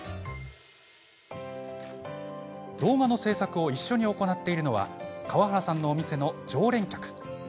動画の制作を一緒に行っているのは川原さんのお店の常連客